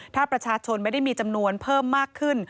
ถ้าประชาชนไม่ได้มีจำนวนเพิ่มมากขึ้น